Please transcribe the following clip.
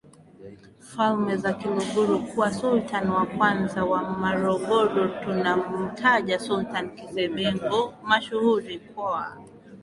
Falme za Kiluguru kuwa Sultan wa kwanza wa MorogoroTunamtaja Sultan Kisebengo mashuhuri kwa